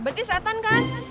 berarti setan kan